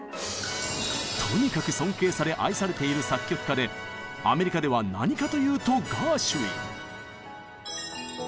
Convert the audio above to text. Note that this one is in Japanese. とにかく尊敬され愛されている作曲家でアメリカでは何かというとガーシュウィン！